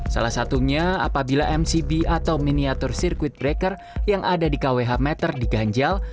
salah satunya apabila mcb atau miniatur sirkuit breaker yang ada di kwh meter diganjal